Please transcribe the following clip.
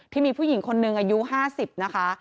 ที่มีผู้หญิงคนนึงอายุห้าสิบนะคะ